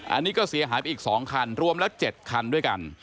อันนี้ก็เสียหายไปอีก๒คันรวมแล้ว๗คันด้วยกัน